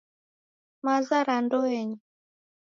Maza ra ndoenyi